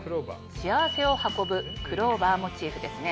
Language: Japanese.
幸せを運ぶクローバーモチーフですね。